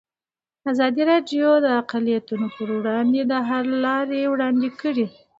ازادي راډیو د اقلیتونه پر وړاندې د حل لارې وړاندې کړي.